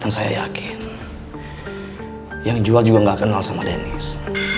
dan saya yakin yang jual juga gak kenal sama dennis